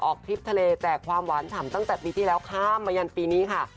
ทริปทะเลแต่ความหวานฉ่ำตั้งแต่ปีที่แล้วข้ามมายันปีนี้ค่ะ